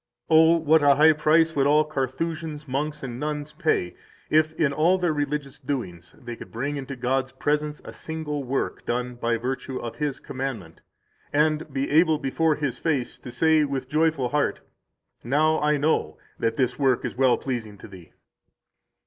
118 Oh, what a high price would all Carthusians, monks, and nuns pay, if in all their religious doings they could bring into God's presence a single work done by virtue of His commandment, and be able before His face to say with joyful heart: "Now I know that this work is well pleasing to Thee."